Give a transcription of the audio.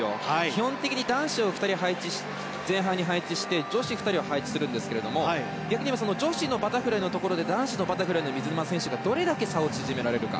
基本的に男子を前半に配置して女子２人を配置するんですけど逆に言えば女子のバタフライのところで男子のバタフライの水沼選手がどこまで差を縮められるか。